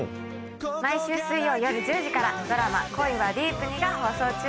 毎週水曜夜１０時からドラマ『恋はＤｅｅｐに』が放送中です。